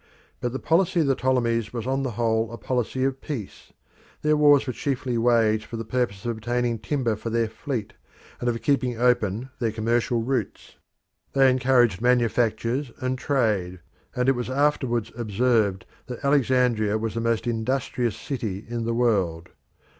But the policy of the Ptolemies was on the whole a policy of peace. Their wars were chiefly waged for the purpose of obtaining timber for their fleet, and of keeping open their commercial routes. They encouraged manufactures and trade, and it was afterwards observed that Alexandria was the most industrious city in the world.